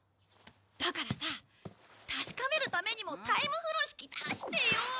だからさ確かめるためにもタイムふろしき出してよ！